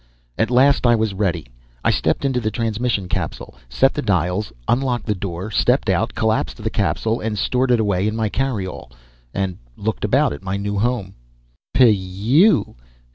At last I was ready. I stepped into the transmission capsule; set the dials; unlocked the door, stepped out; collapsed the capsule and stored it away in my carry all; and looked about at my new home. Pyew!